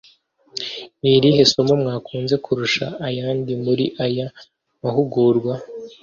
Ni irihe somo mwakunze kurusha ayandi muri aya mahugurwa